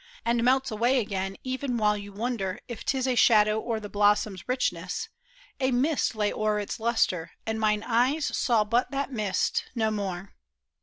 93 And melts away again ev'n while you wonder If 'tis a shadow or the blossom's richness, A mist lay o'er its lustre, and mine eyes Saw but that mist, no more.